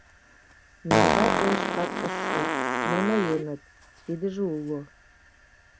Нимогай ойышкат ышт шу, но ноеныт — тидыже уло.